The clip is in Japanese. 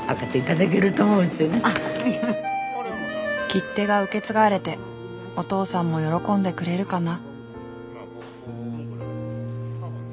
切手が受け継がれてお父さんも喜んでくれるかな？